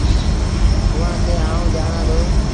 اُئآݩٚ کي آئوٚنٚ ڄآڻآنٚ دو۔